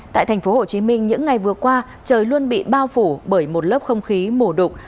tại tp hcm những ngày vừa qua trời luôn bị bao phủ bởi một lớp không khí mù đục